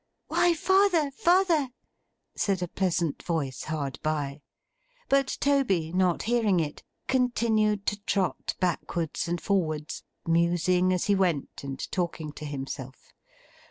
'Why, father, father!' said a pleasant voice, hard by. But Toby, not hearing it, continued to trot backwards and forwards: musing as he went, and talking to himself.